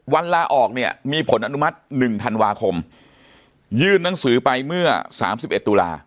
ลาออกเนี่ยมีผลอนุมัติ๑ธันวาคมยื่นหนังสือไปเมื่อ๓๑ตุลา